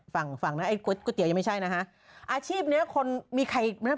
ฟังไอ้ก๋วยเตี๋ยวยังไม่ใช่นะคะอาชีพเนี่ยมีใครที่แบบ